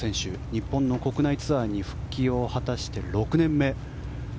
日本の国内ツアーに復帰を果たして６年目。